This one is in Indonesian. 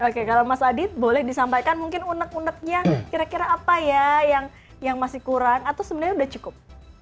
oke kalau mas adit boleh disampaikan mungkin unek uneknya kira kira apa ya yang masih kurang atau sebenarnya sudah cukup